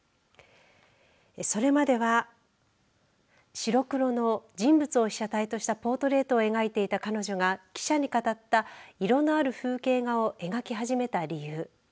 それまでは白黒の人物を被写体としたポートレートを描いていた彼女が記者に語った色のある風景画を描き始めた理由。